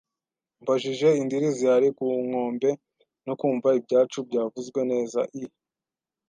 mbajije indiri zihari ku nkombe, no kumva ibyacu byavuzwe neza, I.